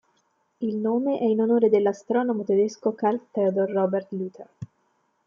Il nome è in onore del astronomo tedesco Karl Theodor Robert Luther.